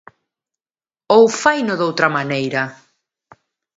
Ou faino doutra maneira?